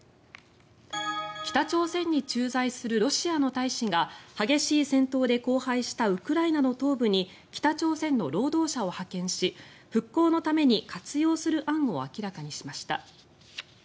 北朝鮮に駐在するロシアの大使が激しい戦闘で荒廃したウクライナの東部に北朝鮮の労働者を派遣し復興のために活用する案を明らかにしました。